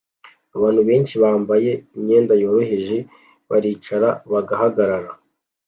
Abantu benshi bambaye imyenda yoroheje baricara bagahagarara